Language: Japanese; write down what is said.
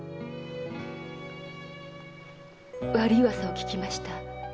悪い噂を聞きました。